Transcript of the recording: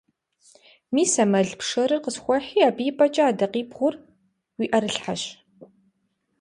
Мис а мэл пшэрыр къысхуэхьи, абы и пӀэкӀэ адакъибгъур уи Ӏэрылъхьэщ.